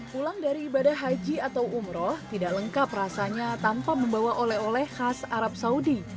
pulang dari ibadah haji atau umroh tidak lengkap rasanya tanpa membawa oleh oleh khas arab saudi